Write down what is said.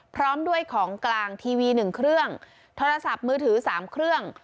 พร้อมด้วยของกลางทีวี๑เครื่องโทรศัพท์มือถือ๓เครื่อง